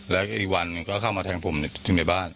และอีกวันนึงเข้ามาแทรงผมถึงในบ้าน